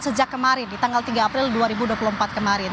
sejak kemarin di tanggal tiga april dua ribu dua puluh empat kemarin